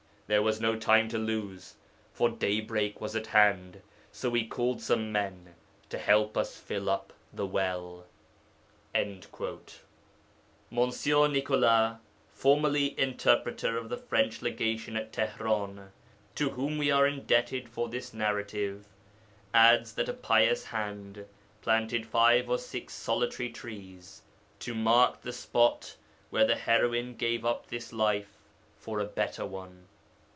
There was no time to lose, for daybreak was at hand. So we called some men to help us fill up the well.' Mons. Nicolas, formerly interpreter of the French Legation at Tihran, to whom we are indebted for this narrative, adds that a pious hand planted five or six solitary trees to mark the spot where the heroine gave up this life for a better one.